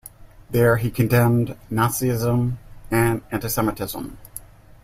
There, he condemned Nazism and antisemitism.